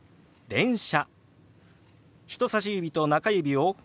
「電車」。